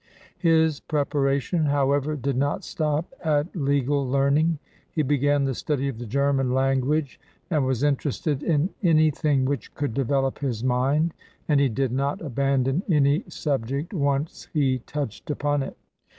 1 His preparation, however, did not stop at legal learning. He began the study of the German language, and was interested in any thing which could develop his mind, and he did not abandon any subject once he touched upon it.